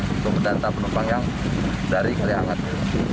untuk mendatang penumpang yang dari kkp